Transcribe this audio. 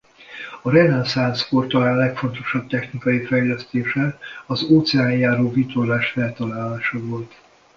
A reneszánsz kor talán legfontosabb technikai fejlesztése az óceánjáró vitorlás feltalálása volt.